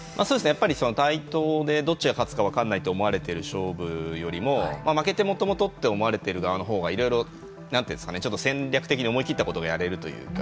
やっぱり対等でどっちが勝つか分からないと思われている勝負よりも負けてもともとって思われている側のほうがいろいろ、ちょっと戦略的に思い切ったことをやれるというか。